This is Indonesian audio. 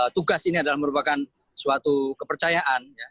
tugas ini adalah merupakan suatu kepercayaan